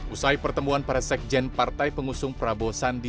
usai pertemuan para sekjen partai pengusung prabowo sandi